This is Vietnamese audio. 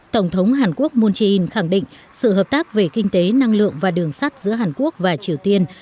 tổng thống hàn quốc moon jae in khẳng định sự hợp tác về kinh tế năng lượng và đường sắt giữa hàn quốc và triều tiên